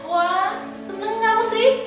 wah seneng kamu sih